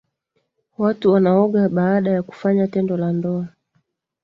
watu wanaoga baada ya kufanya tendo la ndoa